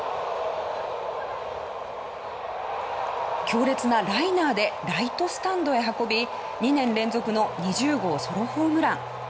強烈なライナーでライトスタンドへ運び２年連続の２０号ソロホームラン。